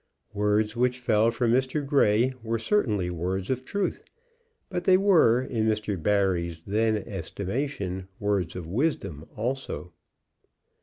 Words which fell from Mr. Grey were certainly words of truth, but they were, in Mr. Barry's then estimation, words of wisdom also.